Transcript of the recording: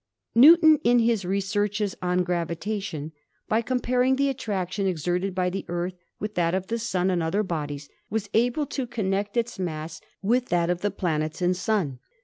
Newton in his researches on gravitation, by comparing the attraction exerted by the Earth with that of the Sun and other bodies, was able to connect its mass with that of the planets and Sun.